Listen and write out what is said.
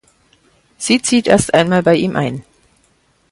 Sie zieht erst einmal bei ihm ein.